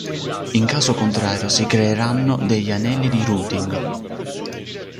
In caso contrario si creeranno degli anelli di routing.